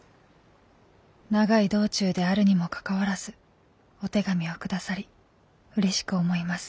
「長い道中であるにもかかわらずお手紙を下さりうれしく思います。